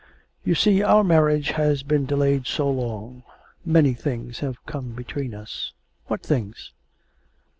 'You see our marriage has been delayed so long; many things have come between us.' 'What things?'